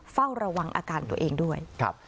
เฝ้าระวังอาการตัวเองด้วย